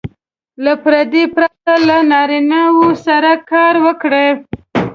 له پردې پرته له نارینه وو سره کار وکړي.